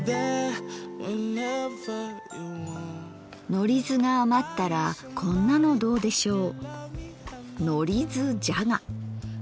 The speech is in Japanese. のりずが余ったらこんなのどうでしょう。